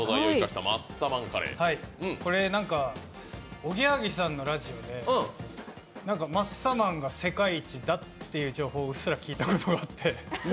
おぎやはぎさんのラジオで、マッサマンが世界一だっていう情報をうっすら聞いたことがあって。